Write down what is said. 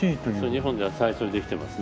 日本では最初にできてますね。